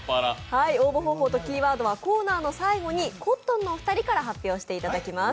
応募方法とキーワードはコーナーの最後にコットンのお二人から発表していただきます。